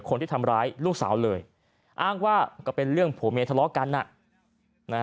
คนที่ทำร้ายลูกสาวเลยอ้างว่าก็เป็นเรื่องผัวเมียทะเลาะกัน